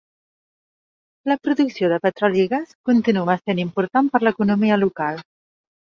La producció de petroli i gas continua sent important per a l'economia local.